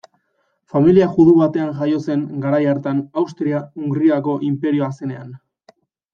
Familia judu batean jaio zen garai hartan Austria-Hungariako inperioa zenean.